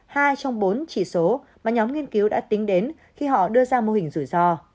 hai trong bốn chỉ số mà nhóm nghiên cứu đã tính đến khi họ đưa ra mô hình rủi ro